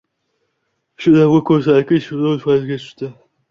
Shunda bu ko'rsatkich % ga tushdi...